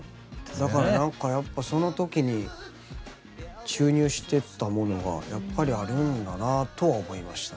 だからなんかやっぱその時に注入してたものがやっぱりあるんだなとは思いましたね。